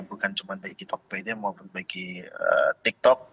bukan cuma bagi tiktokpedia maupun bagi tiktok